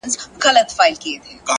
پوهه د ذهن پټې وړتیاوې راویښوي.!